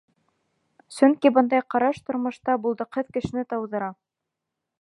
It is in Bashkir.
Сөнки бындай ҡараш тормошта булдыҡһыҙ кешене тыуҙыра.